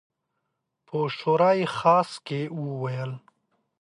په شورای خاص کې وویل.